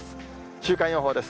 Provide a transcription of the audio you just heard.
週間予報です。